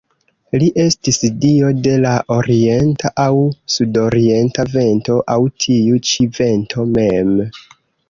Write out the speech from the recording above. Li estis dio de la orienta aŭ sudorienta vento aŭ tiu ĉi vento mem.